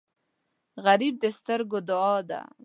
غریب د سترګو دعا ده